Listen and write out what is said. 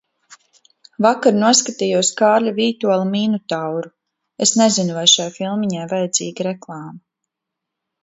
Vakar noskatījos Kārļa Vītola Minotauru. Es nezinu vai šai filmiņai vajadzīga reklāma.